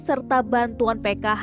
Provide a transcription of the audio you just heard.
serta bantuan pkh